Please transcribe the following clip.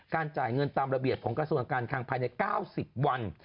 การจ่ายเงินตามระเบียดของกระทการคางภัยใน๙๐วัน